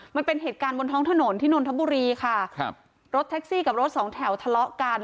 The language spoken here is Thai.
มันเป็นเหตุการณ์บนท้องถนนที่นนทบุรีค่ะครับรถแท็กซี่กับรถสองแถวทะเลาะกัน